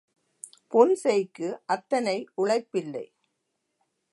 புன்செய்க்கு அத்தனை உழைப்பில்லை.